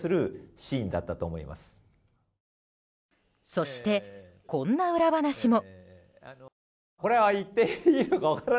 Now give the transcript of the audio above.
そして、こんな裏話も。